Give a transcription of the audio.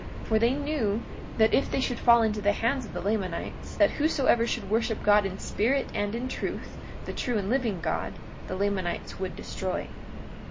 43:10 For they knew that if they should fall into the hands of the Lamanites, that whosoever should worship God in spirit and in truth, the true and the living God, the Lamanites would destroy.